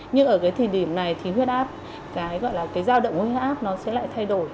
nhưng ở thời điểm này huyết áp giao động huyết áp sẽ lại thay đổi